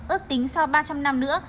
ước tính sau ba trăm linh năm nữa